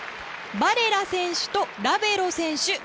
バレラ選手とラベロ選手